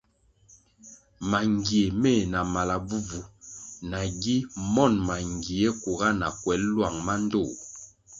Mangie meh na mala bvubvu nagi monʼ mangie kuga na kwel lwang mandtoh.